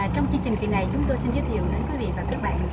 trong chương trình kỳ này chúng tôi xin giới thiệu đến quý vị và các bạn